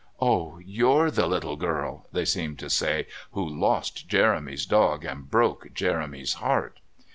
"Ah! you're the little girl," they seemed to say, "who lost Jeremy's dog and broke Jeremy's heart."